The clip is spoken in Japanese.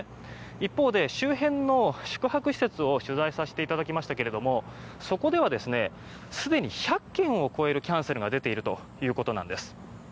一方で周辺の宿泊施設を取材させていただきましたけどもそこではすでに１００件を超えるキャンセルが出ているということなんです。